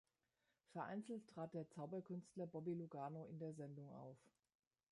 Vereinzelt trat der Zauberkünstler Bobby Lugano in der Sendung auf.